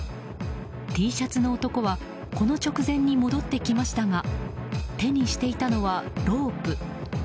Ｔシャツの男はこの直前に戻ってきましたが手にしていたのはロープ。